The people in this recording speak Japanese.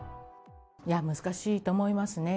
いや、難しいと思いますね。